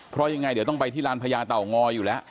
เพราะยังไงเดี๋ยวต้องไปที่ลานพญาเต่างอยอยู่แล้ว